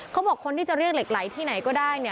คนที่จะเรียกเหล็กไหลที่ไหนก็ได้